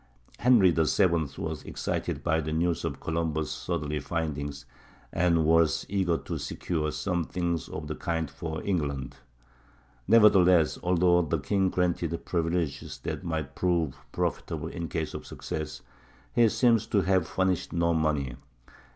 Henry VII was excited by the news of Columbus' southerly findings, and was eager to secure something of the kind for England. Nevertheless, although the king granted privileges that might prove profitable in case of success, he seems to have furnished no money.